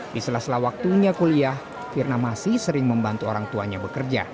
di sela sela waktunya kuliah firna masih sering membantu orang tuanya bekerja